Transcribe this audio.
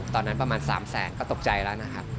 ประมาณ๓แสนก็ตกใจแล้วนะครับ